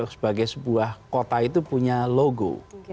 sebagai sebuah kota itu punya logo